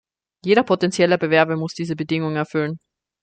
Jeder potentielle Bewerber muss diese Bedingung erfüllen.